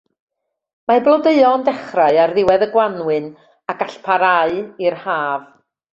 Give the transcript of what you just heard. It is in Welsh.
Mae blodeuo yn dechrau ar ddiwedd y gwanwyn a gall barhau i'r haf.